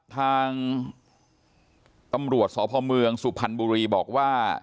ทางตำรวจสพเมืองสุพรรณบุรีบอกว่า